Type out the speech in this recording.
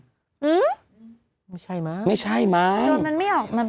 อื้อไม่ใช่มั้งโดนมันไม่ออกมันมีไฟดวงเดียวเหรอฮะโดนมันไม่ออก